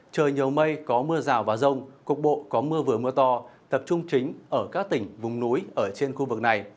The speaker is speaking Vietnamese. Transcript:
trời nhiều mây có mưa rào và rông cục bộ có mưa vừa mưa to tập trung chính ở các tỉnh vùng núi ở trên khu vực này